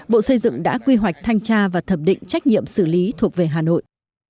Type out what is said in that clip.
bộ xây dựng đã quy hoạch thanh tra và thẩm định trách nhiệm xử lý thuộc về hà nội